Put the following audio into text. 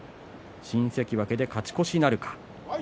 新関脇で勝ち越しなるか。